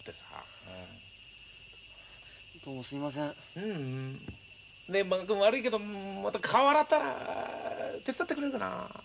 ううん。ねえ満賀くん悪いけどまた顔洗ったら手伝ってくれるかな？